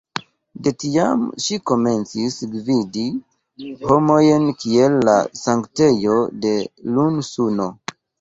De tiam ŝi komencis gvidi homojn kiel la sanktejo de "Lun-Suno".